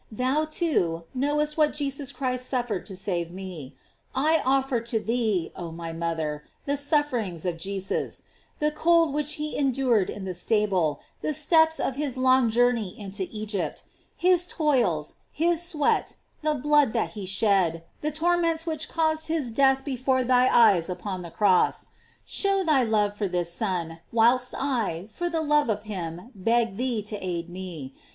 * Thou, too, knowest what Jesus Christ suffered to save me. I offer to thee, oh my mother, the suffer ings of Jesus; the cold which he endured in the stable, the steps of his long journey into Egypt, his toils, his sweat, the blood that he shed, the torments which caused his death before thy eyes upon the cross; show thy love for this Son, whilst I, for the love of him, beg thee to aid me.